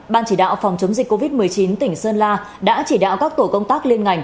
ban chỉ đạo phòng chống dịch covid một mươi chín tỉnh sơn la đã chỉ đạo các tổ công tác liên ngành